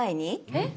えっ？